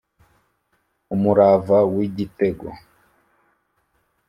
umurava w’igitego